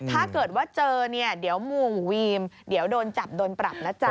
ถ้าเกิดว่าเจอเนี่ยเดี๋ยวหมู่วีมเดี๋ยวโดนจับโดนปรับนะจ๊